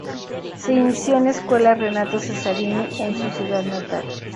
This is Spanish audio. Se inició en la Escuela Renato Cesarini en su ciudad natal.